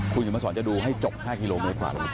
คุณเขียนมาสอนจะดูให้จบ๕กิโลเมตรกว่า